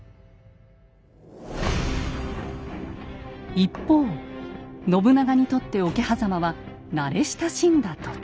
一方信長にとって桶狭間は慣れ親しんだ土地。